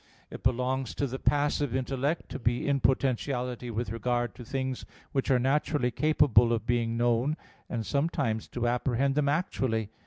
It belongs to the passive intellect to be in potentiality with regard to things which are naturally capable of being known, and sometimes to apprehend them actually.